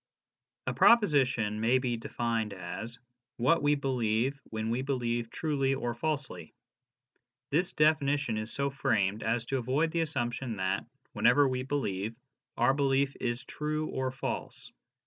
A PROPOSITION may be defined as : What we believe when we believe truly or falsely. This definition is so framed as to avoid the assumption that, whenever we believe, our belief is true or false.